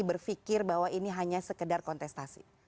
berpikir bahwa ini hanya sekedar kontestasi